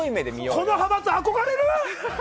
この派閥、憧れる？